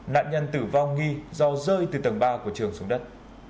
nạn nhân tử vong nghi do rơi từ tầng ba của trường xuống đất